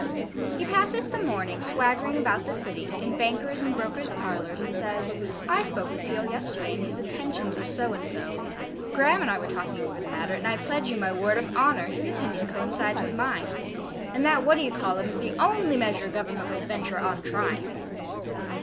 He passes the morning swaggering about the City, in bankers' and brokers parlours, and says: 'I spoke with Peel yesterday, and his intentions are so and so. Graham and I were talking over the matter, and I pledge you my word of honour, his opinion coincides with mine; and that What d'ye call um is the only measure Government will venture on trying.'